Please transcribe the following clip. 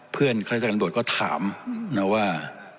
เพื่อนเครื่องจัดการตำลวดก็ถามนะว่า